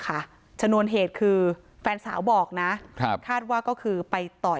ชนวนเหตุคือแฟนสาวบอกนะครับคาดว่าก็คือไปต่อย